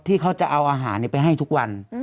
ที่เขาจะเอาอาหารไปให้ทุกวัน